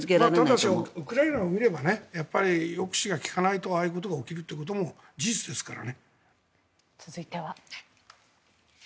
ただしウクライナを見れば抑止が利かないとああいうことが起きるのも事実ですから。